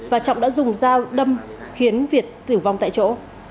và trọng đã dùng dao đâm khiến việt tử vong tại chỗ